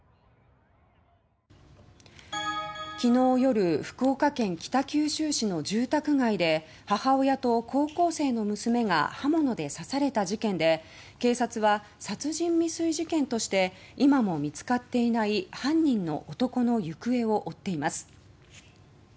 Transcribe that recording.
昨日夜福岡県北九州市の住宅街で母親と高校生の娘が刃物で刺された事件で警察は、殺人未遂事件として今も見つかっていない犯人の男の行方を追っています。